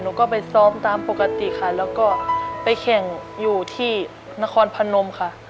หนูก็ไปซ้อมตามปกติค่ะแล้วก็ไปแข่งอยู่ที่นครพนมค่ะ